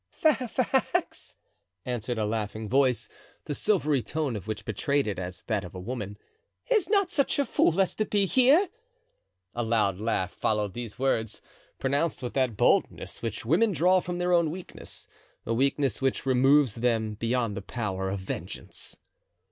"Fairfax," answered a laughing voice, the silvery tone of which betrayed it as that of a woman, "is not such a fool as to be here." A loud laugh followed these words, pronounced with that boldness which women draw from their own weakness—a weakness which removes them beyond the power of vengeance.